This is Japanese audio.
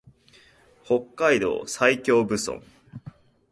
北海道西興部村